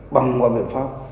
bằng mọi biện pháp